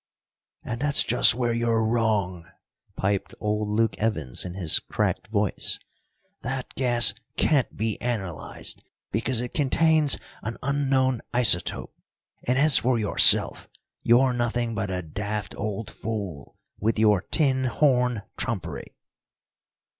"And that's just where you're wrong," piped old Luke Evans in his cracked voice. "That gas can't be analyzed, because it contains an unknown isotope, and, as for yourself, you're nothing but a daft old fool, with your tin horn trumpery!"